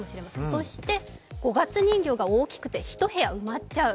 そして五月人形が大きくて１部屋埋まっちゃう。